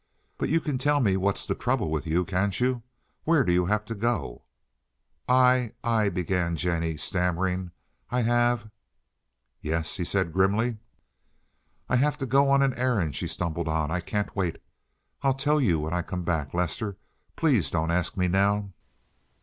"But you can tell me what's the trouble with you, can't you? Where do you have to go?" "I—I," began Jennie, stammering. "I—have—" "Yes," he said grimly. "I have to go on an errand," she stumbled on. "I—I can't wait. I'll tell you when I come back, Lester. Please don't ask me now."